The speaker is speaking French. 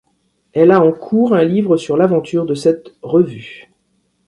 Elle a en cours un livre sur l’aventure de cette revue.